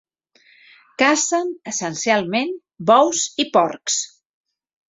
Cacen essencialment bous i porcs.